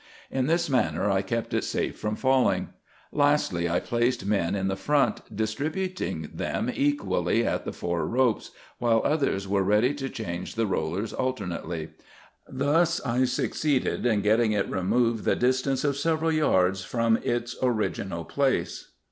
In this manner I kept it safe from falling. Lastly, I placed men in the front, distributing them equally at the four ropes, while others were ready to change the rollers alternately. Thus I succeeded in getting it removed the distance of several yards from its original place.